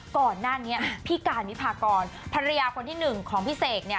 ก่อนหน้านี้พี่การวิพากรภรรยาคนที่หนึ่งของพี่เสกเนี่ย